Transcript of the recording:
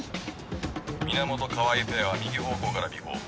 源川合ペアは右方向から尾行。